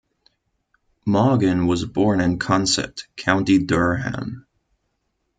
Maughan was born in Consett, County Durham.